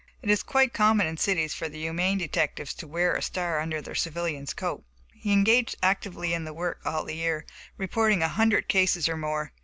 (It is quite common in cities for the humane detectives to wear their star under a civilian's coat.) He engaged actively in the work all the year, reporting a hundred cases or more.